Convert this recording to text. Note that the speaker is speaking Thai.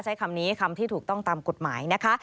ใช้คำนี้คำที่ถูกต้องตามกฎหมายนะคะ